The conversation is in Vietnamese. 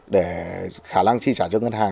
để khả năng chi trả cho ngân hàng